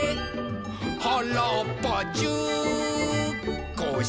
「はらっぱじゅうこうしんさ」